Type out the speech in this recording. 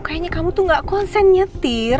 kayaknya kamu tuh gak konsen nyetir